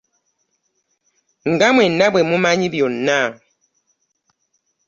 Nga mwenna bwe mumanyi byonna